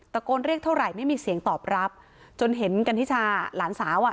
โกนเรียกเท่าไหร่ไม่มีเสียงตอบรับจนเห็นกันทิชาหลานสาวอ่ะ